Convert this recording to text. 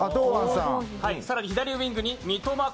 更に左ウイングに三笘薫。